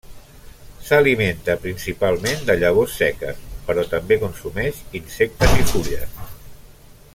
S'alimenta principalment de llavors seques, però també consumeix insectes i fulles.